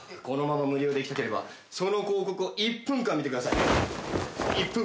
このまま無料でいきたければその広告を１分間見てください。